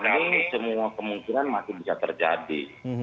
bagi agak ramah ini semua kemungkinan masih bisa terjadi